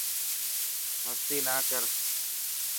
مستي نا ڪر.